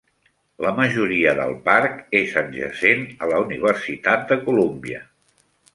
La majoria del parc és adjacent a la Universitat de Columbia.